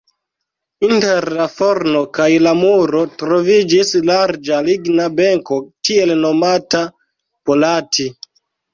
Inter la forno kaj la muro troviĝis larĝa ligna benko, tiel nomata "polati".